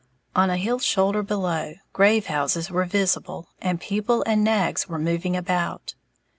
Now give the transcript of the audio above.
On a hill shoulder below, grave houses were visible, and people and nags were moving about.